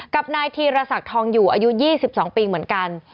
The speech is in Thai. กับนายธีรศักดิ์ทองอยู่อายุ๒๒ปีเหมือนกัน